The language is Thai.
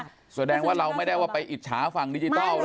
แสดงว่าเราไม่ได้ว่าไปอิจฉาฝั่งดิจิทัล